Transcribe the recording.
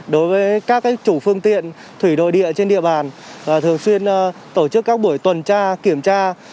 đối với các chủ phương tiện thủy nội địa trên địa bàn thường xuyên tổ chức các buổi tuần tra kiểm tra